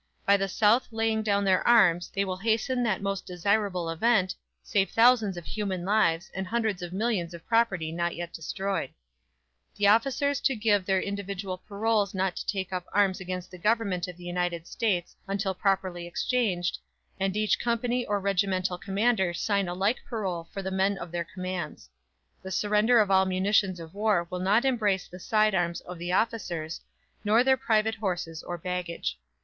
By the South laying down their arms they will hasten that most desirable event, save thousands of human lives, and hundreds of millions of property not yet destroyed." "The officers to give their individual paroles not to take up arms against the Government of the United States until properly exchanged, and each company or regimental commander sign a like parole for the men of their commands. "The surrender of all munitions of war will not embrace the side arms of the officers, nor their private horses or baggage.